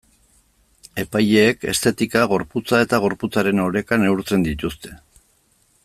Epaileek estetika, gorputza eta gorputzaren oreka neurtzen dituzte.